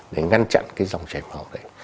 để ngăn chặn cái dòng chảy máu đấy